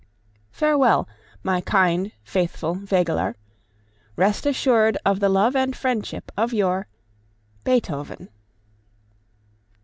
Farewell, my kind, faithful Wegeler! Rest assured of the love and friendship of your BEETHOVEN.